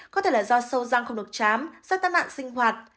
có thể là do sâu răng không được chám do tác nạn sinh hoạt